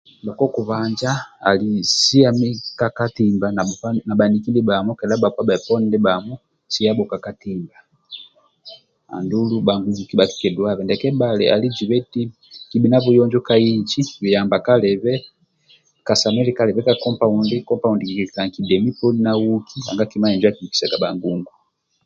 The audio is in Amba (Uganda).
Ndia kokubhanja ali siami ka katimba na baniki ndibhamo kedha bhakpa bhoponi ndibhamo siabho ka katimba andulu bhangungu bakala kikiduwabe ndia kebhali ali jiba eti kibhi na buyonjo ka inji bihamba kalibe kasamili kalibe ka kompaundi obhundi kompaundi kiki likaga ni kidemi poni nauki nanga kima injo akibhikisaga bhangungu